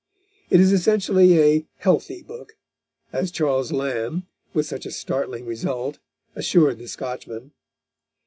It is essentially a "healthy" book, as Charles Lamb, with such a startling result, assured the Scotchman.